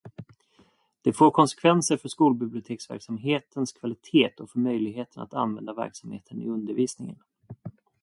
Det får konsekvenser för skolbiblioteksverksamhetens kvalitet och för möjligheten att använda verksamheten i undervisningen.